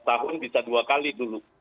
tahun bisa dua kali dulu